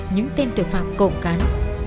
những tên tội phạm cộng cán